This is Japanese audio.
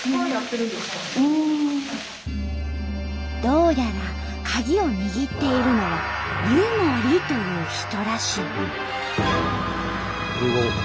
どうやらカギを握っているのは「湯守」という人らしい。